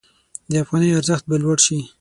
د افغانۍ ارزښت به لوړ شي.